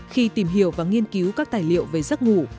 khi tìm hiểu và nghiên cứu các tài liệu về giấc ngủ